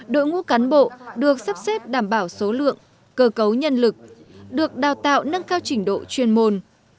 đội ngũ cán bộ được sắp xếp đảm bảo số lượng cơ cấu nhân lực được đào tạo nâng cao trình độ chuyên môn